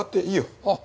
あっ。